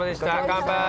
乾杯。